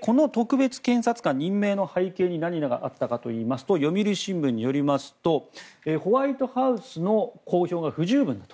この特別検察官任命の背景に何があったかといいますと読売新聞によりますとホワイトハウスの公表が不十分だったと。